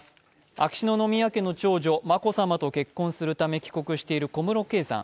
秋篠宮家の長女・眞子さまと結婚するため帰国している小室圭さん。